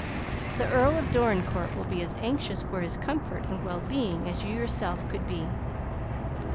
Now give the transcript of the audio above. The Earl of Dorincourt will be as anxious for his comfort and well being as you yourself could be."